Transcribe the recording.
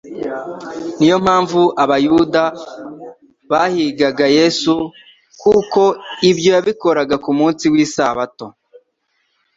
"Niyo mpamvu Abayuda bahigaga Yesu kuko ibyo yabikoraga ku munsi w'isabato".